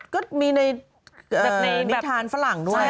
ก็มีในนิทานฝรั่งด้วย